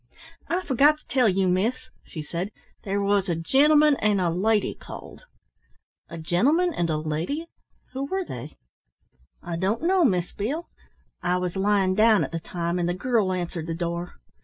"I forgot to tell you, miss," she said, "there was a gentleman and a lady called." "A gentleman and a lady? Who were they?" "I don't know, Miss Beale. I was lying down at the time, and the girl answered the door.